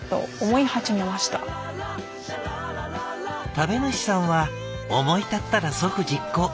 「食べ主さんは思い立ったら即実行。